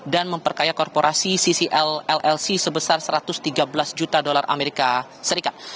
dan memperkaya korporasi ccl llc sebesar satu ratus tiga belas juta dolar amerika serikat